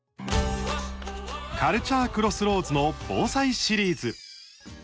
カルチャークロスロードの防災シリーズ。